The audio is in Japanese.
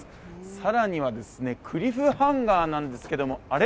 更にはクリフハンガーなんですけどあれ？